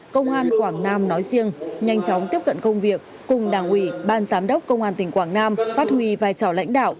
công an quảng nam nói riêng nhanh chóng tiếp cận công việc cùng đảng ủy ban giám đốc công an tỉnh quảng nam phát huy vai trò lãnh đạo